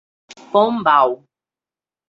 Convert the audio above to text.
Pombal